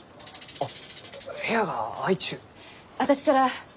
あっ。